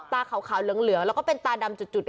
ตาเขาเหลืองเข้าแล้วก็แตนตาดำจุด